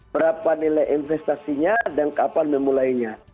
berapa nilai investasinya dan kapan memulainya